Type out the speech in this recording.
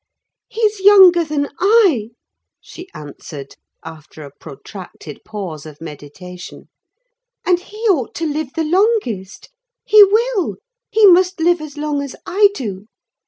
"He's younger than I," she answered, after a protracted pause of meditation, "and he ought to live the longest: he will—he must live as long as I do.